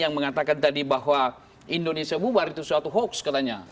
yang mengatakan tadi bahwa indonesia bubar itu suatu hoax katanya